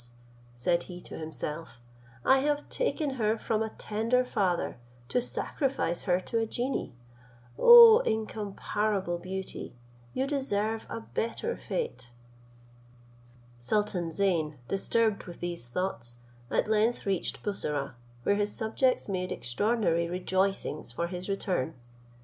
said he to himself, "I have taken her from a tender father, to sacrifice her to a genie. O incomparable beauty! you deserve a better fate." Sultan Zeyn, disturbed with these thoughts, at length reached Bussorah, where his subjects made extraordinary rejoicings for his return.